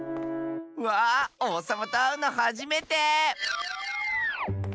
わあおうさまとあうのはじめて。